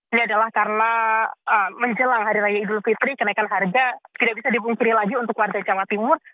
ini adalah karena menjelang hari raya idul fitri kenaikan harga tidak bisa dipungkiri lagi untuk warga jawa timur